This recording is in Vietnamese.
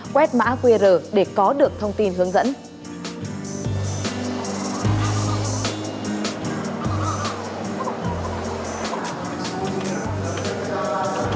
quét mã qr để có được thông tin hướng dẫn